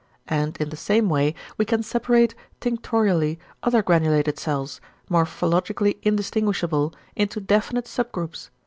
And in the same way we can separate tinctorially other granulated cells, morphologically indistinguishable, into definite sub groups.